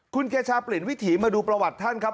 คุณเกชาเปลี่ยนวิถีมาดูประวัติท่านครับ